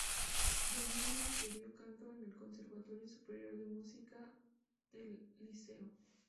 De niña estudió canto en el Conservatorio Superior de Música del Liceo.